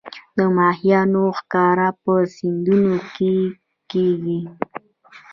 د ماهیانو ښکار په سیندونو کې کیږي